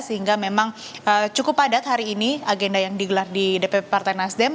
sehingga memang cukup padat hari ini agenda yang digelar di dpp partai nasdem